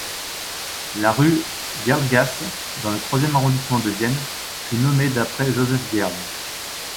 La rue Gerlgasse dans le troisième arrondissement de Vienne fut nommée d'après Josef Gerl.